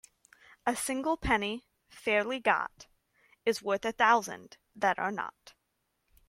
A single penny fairly got is worth a thousand that are not.